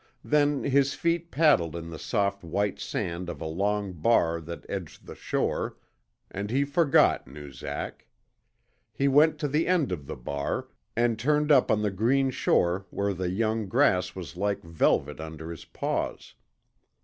Then his feet paddled in the soft white sand of a long bar that edged the shore, and he forgot Noozak. He went to the end of the bar, and turned up on the green shore where the young grass was like velvet under his paws.